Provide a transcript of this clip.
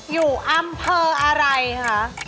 อยู่อำเภออะไรคะ